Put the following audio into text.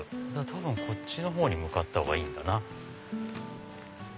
多分こっちのほうに向かったほうがいいんだな。